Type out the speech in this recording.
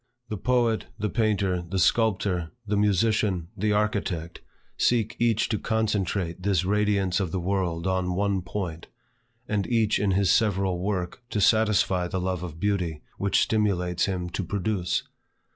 The poet, the painter, the sculptor, the musician, the architect, seek each to concentrate this radiance of the world on one point, and each in his several work to satisfy the love of beauty which stimulates him to produce.